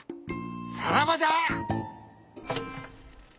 さらばじゃ！